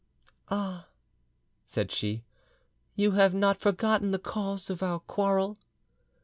"Ah," said she, "you have not forgotten the cause of our quarrel?"